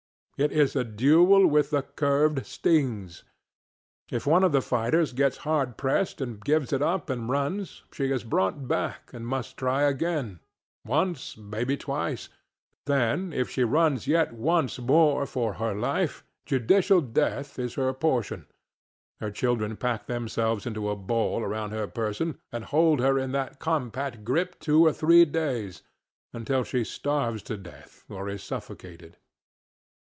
It is a duel with the curved stings. If one of the fighters gets hard pressed and gives it up and runs, she is brought back and must try againŌĆöonce, maybe twice; then, if she runs yet once more for her life, judicial death is her portion; her children pack themselves into a ball around her person and hold her in that compact grip two or three days, until she starves to death or is suffocated.